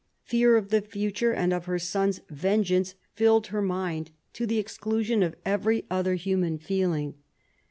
Fear of the future and of her son's vengeance filled her mind, to the exclusion of every other human feeling.